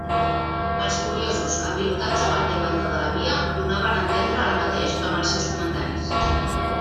Els curiosos, apilotats a banda i banda de la via, donaven a entendre el mateix amb els seus comentaris.